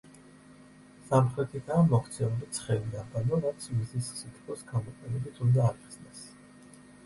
სამხრეთითაა მოქცეული ცხელი აბანო, რაც მზის სითბოს გამოყენებით უნდა აიხსნას.